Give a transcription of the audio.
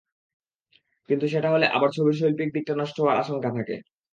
কিন্তু সেটা হলে আবার ছবির শৈল্পিক দিকটা নষ্ট হওয়ার আশঙ্কা থাকে।